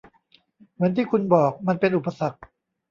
เหมือนที่คุณบอก มันเป็นอุปสรรค